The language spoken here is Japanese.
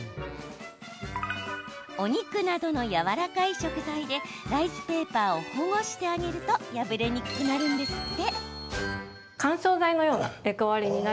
お肉などのやわらかい食材でライスペーパーを保護してあげると破れにくくなるんですって。